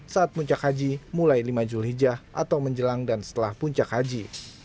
saat puncak haji mulai lima julhijjah atau menjelang dan setelah puncak haji